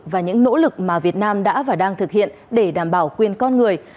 và những nỗ lực mà việt nam đã và đang thực hiện để đảm bảo quyền con người